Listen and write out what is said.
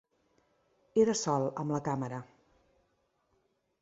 Era sol amb la càmera.